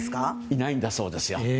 いないんだそうですよ。